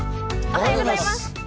おはようございます。